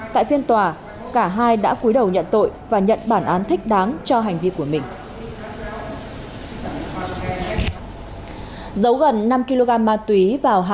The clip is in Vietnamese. tại phiên tòa cả hai đã cuối đầu nhận tội và nhận bản án thích đáng cho hành vi của mình